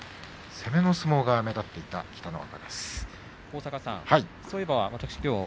攻めの相撲が目立っていた北の若です。